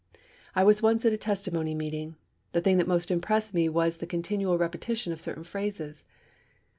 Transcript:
I was once at a testimony meeting. The thing that most impressed me was the continual repetition of certain phrases.